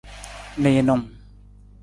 Niinung.